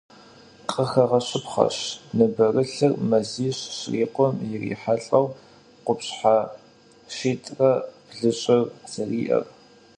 Къыхэгъэщыпхъэщ ныбэрылъыр мазищ щрикъум ирихьэлӏэу къупщхьэ щитӏрэ блыщӏыр зэриӏэр.